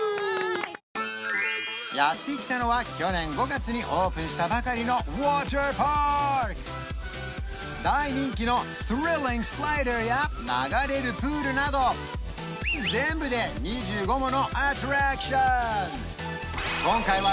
やって来たのは去年５月にオープンしたばかりのウォーターパーク大人気のスリリングスライダーや流れるプールなど全部で２５ものアトラクション